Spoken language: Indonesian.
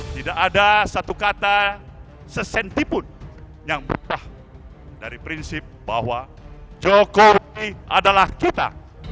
tidak ada satu kata sesentipun yang dari prinsip bahwa jokowi adalah kita